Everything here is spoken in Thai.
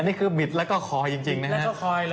นี่คือบิดแล้วก็คอจริงนะครับ